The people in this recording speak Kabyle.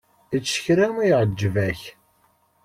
Ečč kra ma iɛǧeb-ak.